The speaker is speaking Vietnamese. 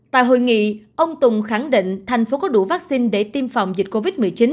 tại hội nghị ông tùng khẳng định thành phố có đủ vaccine để tiêm phòng dịch covid một mươi chín